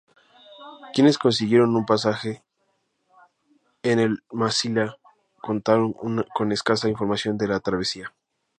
Quienes consiguieron un pasaje en el "Massilia" contaron con escasa información de la travesía.